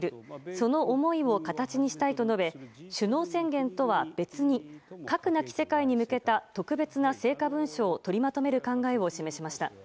その思いを形にしたいと述べ首脳宣言とは別に核なき世界に向けた特別な成果文書を取りまとめる考えを示しました。